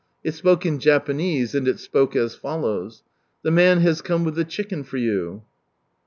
It spoke in Japanese, and it spoke as follows —" The man has come with the chicken for you."